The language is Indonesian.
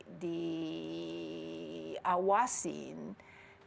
tetapi dari satu segi juga banyak kelompok bisa muncul begitu saja